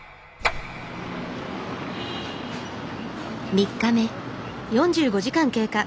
３日目。